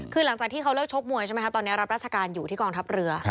คือหลังจากที่เขาเลิกชกมวยใช่ไหมคะตอนนี้รับราชการอยู่ที่กองทัพเรือ